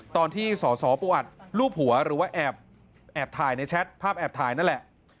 ตอนที่สอสอปูอัดรูปหัวหรือว่าแอบถ่ายในแชทภาพแอบถ่ายนั่นแหละ